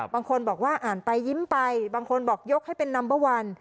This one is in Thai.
บางคนบอกว่าอ่านไปยิ้มไปบางคนบอกยกให้เป็นนัมเบอร์วัน